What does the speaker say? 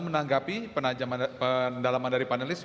menanggapi pendalaman dari panelis